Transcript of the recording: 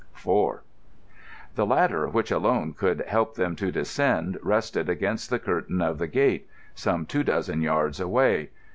IV The ladder which alone could help them to descend rested against the curtain of the gate, some two dozen yards away.